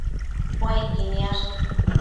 Muequi niash